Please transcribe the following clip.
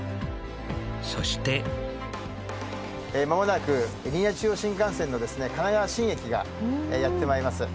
そして間もなくリニア中央新幹線の神奈川新駅がやってまいります